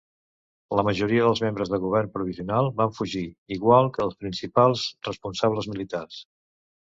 La majoria dels membres del govern provisional van fugir, igual que els principals responsables militars.